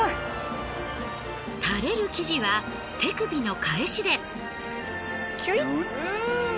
たれる生地は手首の返しで。